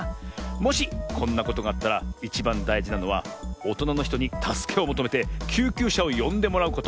もしこんなことがあったらいちばんだいじなのはおとなのひとにたすけをもとめてきゅうきゅうしゃをよんでもらうこと。